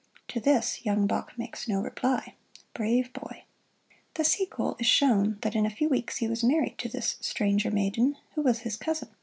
To this, young Bach makes no reply. Brave boy! The sequel is shown that in a few weeks he was married to this "Stranger Maiden," who was his cousin.